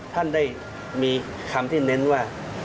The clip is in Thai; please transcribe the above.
ท่านได้มีคำที่เน้นว่า